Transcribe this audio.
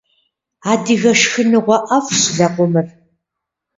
Адыгэ шхыныгъуэ ӏэфӏщ лэкъумыр.